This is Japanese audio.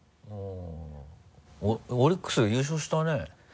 オリックス優勝したね。